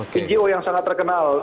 ngo yang sangat terkenal